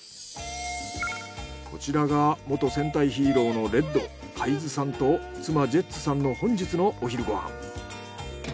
こちらが元戦隊ヒーローのレッド海津さんと妻ジェッツさんの本日のお昼ご飯。